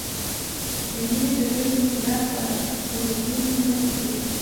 د نوې ډبرې انقلاب په پوهېدو کې مرسته کوي